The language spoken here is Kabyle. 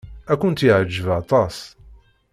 Ad kent-yeɛjeb aṭas.